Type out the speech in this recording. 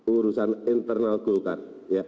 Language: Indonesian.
urusan internal golkar